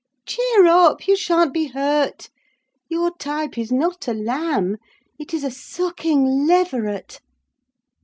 Cheer up! you sha'n't be hurt! Your type is not a lamb, it's a sucking leveret."